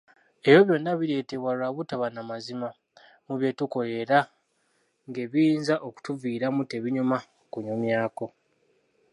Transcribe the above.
Ebyo byonna bireetebwa lwa butaba namazima, mu bye tukola era ng'ebiyinza okutuviiramu tebinyuma kunyumyako!